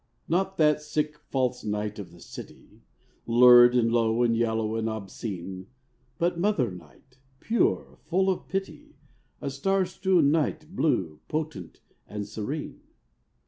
Not that sick false night of the city, Lurid and low and yellow and obscene, But mother Night, pure, full of pity, The star strewn Night, blue, potent and serene.